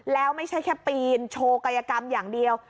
แล้วไม่ใช่แค่ปีนโชว์กายกรรมอย่างเดียว